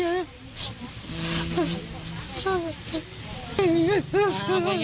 คุณสังเงียมต้องตายแล้วคุณสังเงียม